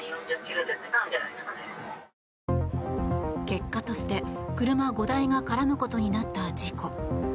結果として、車５台が絡むことになった事故。